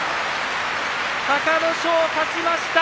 隆の勝、勝ちました。